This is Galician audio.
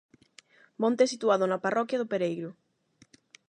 Monte situado na parroquia do Pereiro.